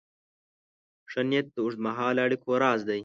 ښه نیت د اوږدمهاله اړیکو راز دی.